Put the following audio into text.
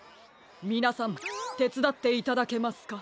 みなさんてつだっていただけますか？